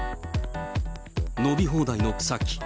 伸び放題の草木。